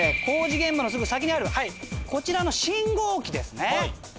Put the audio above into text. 工事現場のすぐ先にあるはいこちらの信号機ですね。